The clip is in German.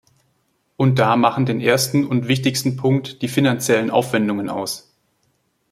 Und da machen den ersten und wichtigsten Punkt die finanziellen Aufwendungen aus.